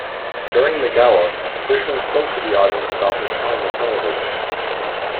During the gala, Fishman spoke to the audience about his time in television.